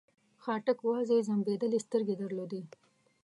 خاټک وازې ځمبېدلې سترګې درلودې.